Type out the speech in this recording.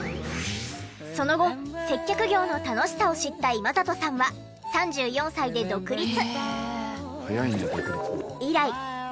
その後接客業の楽しさを知った今里さんは３４歳で独立。